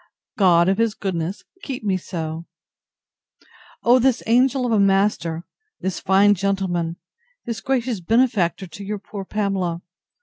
—God, of his goodness, keep me so! O this angel of a master! this fine gentleman! this gracious benefactor to your poor Pamela!